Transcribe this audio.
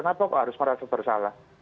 kenapa kok harus merasa bersalah